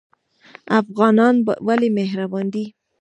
افغانان ولې مهربان دي؟